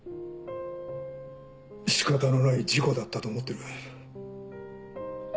仕方のない事故だったと思ってる。